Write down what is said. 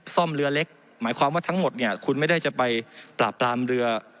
ซ่อมเรือเล็กหมายความว่าทั้งหมดเนี่ยคุณไม่ได้จะไปปราบปรามเรือ